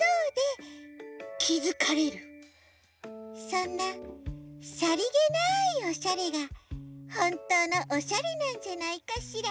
そんなさりげないおしゃれがほんとうのおしゃれなんじゃないかしら。